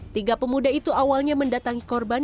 tiga pemuda itu awalnya mendatangi korban